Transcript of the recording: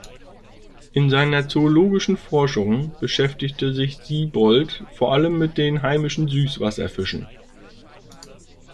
In seiner zoologischen Forschung beschäftigte sich Siebold vor allem mit den heimischen Süßwasserfischen.